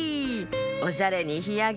おしゃれにひやけ。